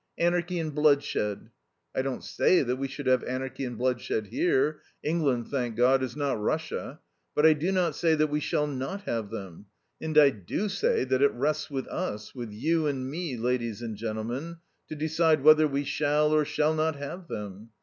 Anarchy and bloodshed. I don't say that we should have anarchy and bloodshed here; England, thank God, is not Russia. But I do not say that we shall not have them. And I do say that it rests with us, with you and me, ladies and gentlemen, to decide whether we shall or shall not have them.